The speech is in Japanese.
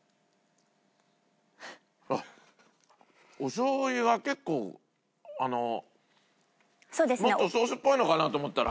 おしょう油は結構あのもっとソースっぽいのかなと思ったら。